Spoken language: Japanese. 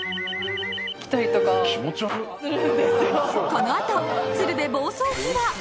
このあと鶴瓶暴走秘話。